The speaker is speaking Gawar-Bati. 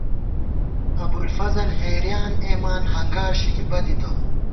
ابُوالفضل حېریان اېمان، ہنگار شِکی بدِتہ